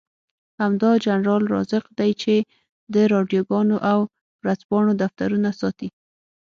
همدا جنرال رازق دی چې د راډيوګانو او ورځپاڼو دفترونه ساتي.